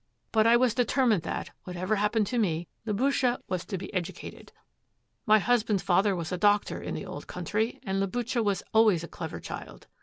But I was determined that, whatever happened to me, Liboucha was to be educated. My husband's father was a doctor in the old country, and Liboucha was always a clever child.